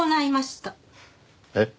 えっ？